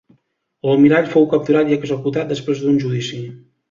L'almirall fou capturat i executat després d'un judici.